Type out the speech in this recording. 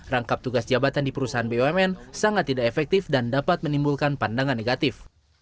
rangkap tugas jabatan di perusahaan bumn sangat tidak efektif dan dapat menimbulkan pandangan negatif